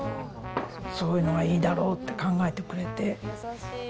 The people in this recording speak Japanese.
そういうのがいいだろうって考えてくれて。